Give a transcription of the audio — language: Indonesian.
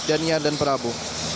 dan ia dan prabu